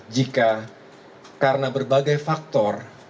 jika karena berbagai faktor